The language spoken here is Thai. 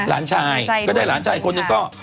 หลานชายก็ได้หลานชายอีกคนนึงก็